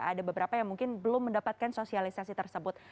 ada beberapa yang mungkin belum mendapatkan sosialisasi tersebut